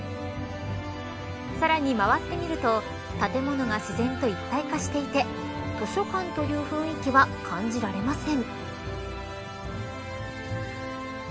さらに回ってみると建物が自然と一体化していて図書館という雰囲気は感じられません。